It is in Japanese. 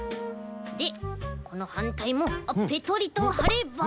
でこのはんたいもあっペトリとはれば。